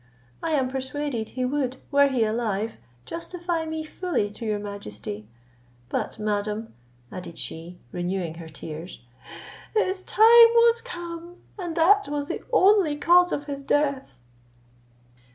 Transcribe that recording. I am persuaded he would, were he alive, justify me fully to your majesty; but, madam," added she, renewing her tears, "his time was come, and that was the only cause of his death."